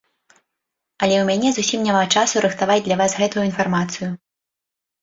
Але ў мяне зусім няма часу рыхтаваць для вас гэтую інфармацыю.